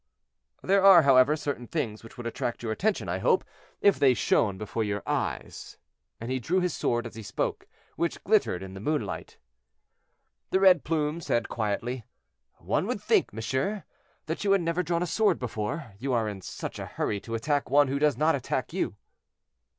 "There are, however, certain things which would attract your attention, I hope, if they shone before your eyes;" and he drew his sword as he spoke, which glittered in the moonlight. The red plume said quietly, "One would think, monsieur, that you had never drawn a sword before, you are in such a hurry to attack one who does not attack you."